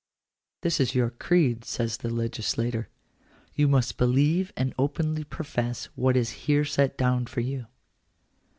" This is your creed,'' says the legislator ;" you must believe and openly profess what is here set down for you."